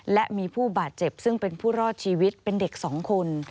และมีผู้บาดเจ็บซึ่งเป็นผู้รอดชีวิตเป็นเด็ก๒คน